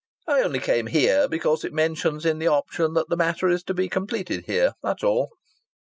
I only came here because it mentions in the option that the matter is to be completed here that's all."